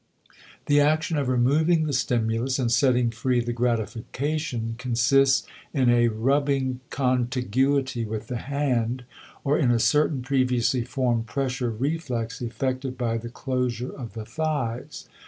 The action of removing the stimulus and setting free the gratification consists in a rubbing contiguity with the hand or in a certain previously formed pressure reflex effected by the closure of the thighs.